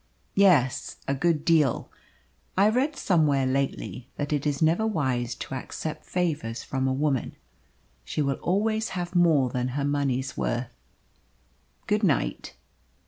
"Yes, a good deal. I read somewhere, lately, that it is never wise to accept favours from a woman; she will always have more than her money's worth. Good night."